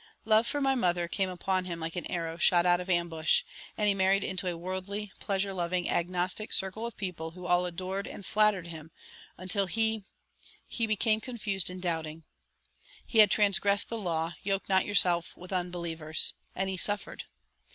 Love for my mother came upon him like an arrow shot out of ambush, and he married into a worldly, pleasure loving, agnostic circle of people who all adored and flattered him until he he became confused and doubting. He had transgressed the law: 'yoke not yourselves with unbelievers,' and he suffered.